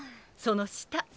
その下。